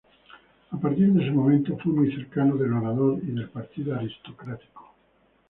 A partir de ese momento fue muy cercano del orador y del partido aristocrático.